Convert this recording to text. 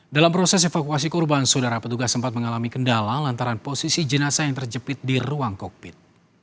dalam proses evakuasi korban saudara petugas sempat mengalami kendala lantaran posisi jenazah yang terjepit di ruang kokpit